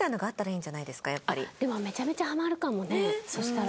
でもめちゃめちゃハマるかもねそしたら。